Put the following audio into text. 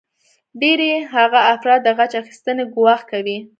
ډیری هغه افراد د غچ اخیستنې ګواښ کوي